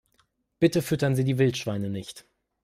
Bitte füttern Sie die Wildschweine nicht!